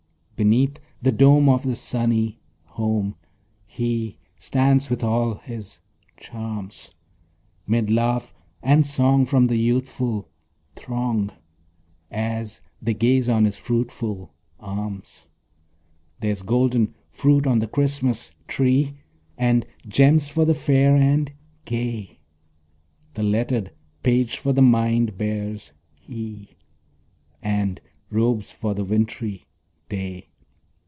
Beneath the dome of the sunny home, He stands with all his charms; 'Mid laugh and song from the youthful throng, As they gaze on his fruitful arms. There's golden fruit on the Christmas tree, And gems for the fair and gay; The lettered page for the mind bears he, And robes for the wintry day.